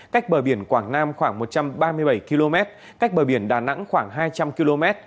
cách bờ biển quảng nam khoảng một trăm ba mươi bảy km cách bờ biển đà nẵng khoảng hai trăm linh km